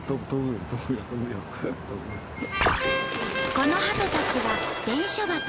このハトたちは「伝書バト」。